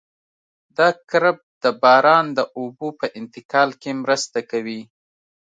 دا کرب د باران د اوبو په انتقال کې مرسته کوي